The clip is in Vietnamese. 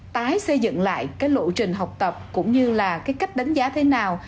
tái xây dựng lại cái lộ trình học tập cũng như là cái cách đánh giá thế nào